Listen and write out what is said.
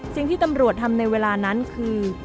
สิ่งที่ตำรวจทำในเวลานั้นคือ